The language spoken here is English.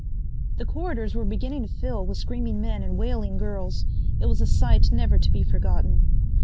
The corridors were beginning to fill with screaming men and wailing girls. It was a sight never to be forgotten.